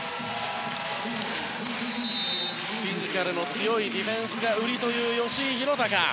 フィジカルの強いディフェンスが売りという吉井裕鷹。